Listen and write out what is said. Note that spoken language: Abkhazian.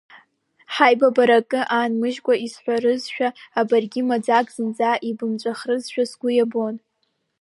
Ҳаибабар, ак аанмыжькәа исҳәарызшәа, баргь маӡак зынӡа ибымҵәахрызшәа, сгәы иабон…